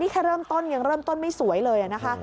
แค่เริ่มต้นยังเริ่มต้นไม่สวยเลยนะคะ